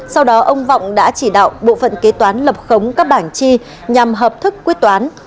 sau đó ông vọng đã chỉ đạo bộ phận kế toán lập khống các bảng chi nhằm hợp thức quyết toán